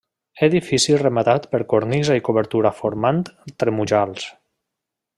Edifici rematat per cornisa i coberta formant tremujals.